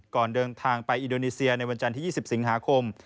เดินทางไปอินโดนีเซียในวันจันทร์ที่๒๐สิงหาคม